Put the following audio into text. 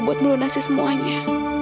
buat melolasi semuanya